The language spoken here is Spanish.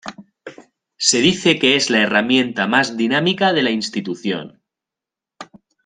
Se dice que es la herramienta más dinámica de la institución.